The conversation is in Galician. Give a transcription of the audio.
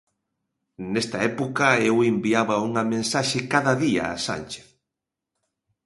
Nesta época eu enviaba unha mensaxe cada día a Sánchez.